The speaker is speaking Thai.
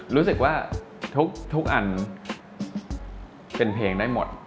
รู้สึกว่าทุกอันเป็นเพลงได้หมด